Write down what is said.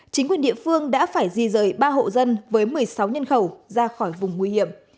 chính quyền địa phương đã phải di rời ba hộ dân với một mươi sáu nhân khẩu ra khỏi vùng nguy hiểm